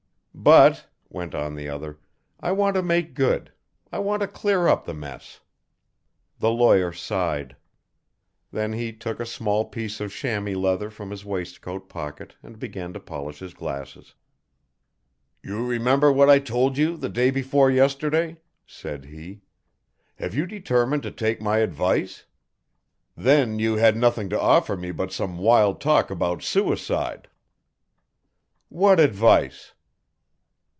"But," went on the other, "I want to make good, I want to clear up the mess." The lawyer sighed. Then he took a small piece of chamois leather from his waistcoat pocket and began to polish his glasses. "You remember what I told you the day before yesterday," said he; "have you determined to take my advice? Then you had nothing to offer me but some wild talk about suicide." "What advice?"